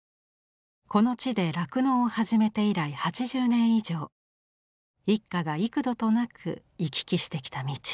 この地で酪農を始めて以来８０年以上一家が幾度となく行き来してきた道。